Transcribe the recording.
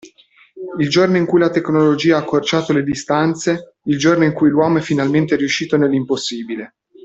Il giorno in cui la tecnologia ha accorciato le distanze, il giorno in cui l'uomo è finalmente riuscito nell'impossibile.